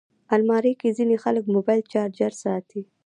الماري کې ځینې خلک موبایل چارجر ساتي